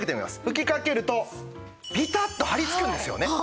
吹きかけるとピタッと張りつくんですよね。